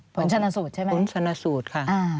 ผลชนสูตรใช่ไหมผลชนสูตรค่ะ